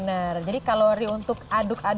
bener jadi kalori untuk aduk adukannya